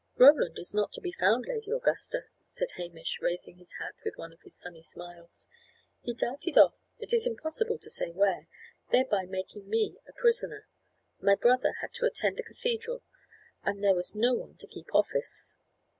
"Roland is not to be found, Lady Augusta," said Hamish, raising his hat with one of his sunny smiles. "He darted off, it is impossible to say where, thereby making me a prisoner. My brother had to attend the cathedral, and there was no one to keep office."